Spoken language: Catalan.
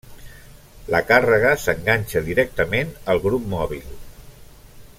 La càrrega s'enganxa directament al grup mòbil.